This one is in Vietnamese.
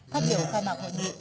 phát biểu khai mạc hội nghị